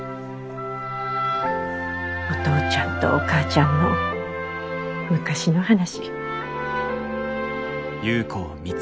お父ちゃんとお母ちゃんの昔の話。